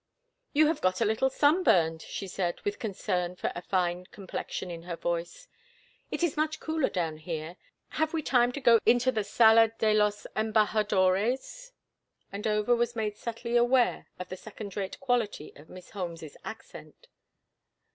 "You have got a little sunburned," she said, with concern for a fine complexion in her voice. "It is much cooler down here. Have we time to go into the Sala de los Embajadores?" And Over was made subtly aware of the second rate quality of Miss Holmes's accent.